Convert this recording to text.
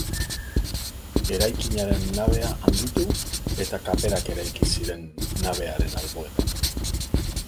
Eraikinaren nabea handitu eta kaperak eraiki ziren nabearen alboetan.